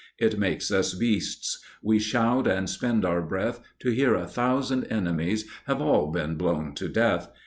It makes us beasts; We shout and spend our breath To hear a thousand enemies Have all been blown to death.